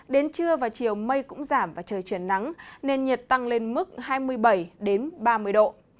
đến trưa và chiều mây cũng giảm và trời chuyển nắng nền nhiệt tăng lên mức hai mươi bảy ba mươi độ